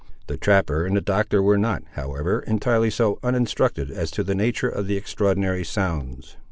The trapper and the Doctor were not, however, entirely so uninstructed as to the nature of the extraordinary sounds.